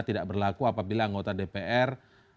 tidak berlaku apabila anggota dpr